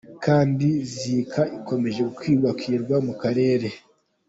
Kandi Zika ikomeje gukwirakwira mu karere.